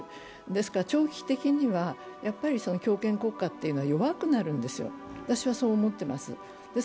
ですから長期的には強権国家というのは弱くなるんですよ、私はそう思ってます。